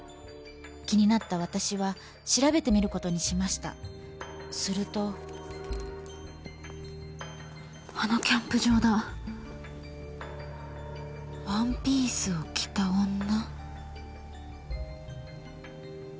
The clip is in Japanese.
気になった私は調べてみることにしましたするとあのキャンプ場だ「ワンピースを着た女」？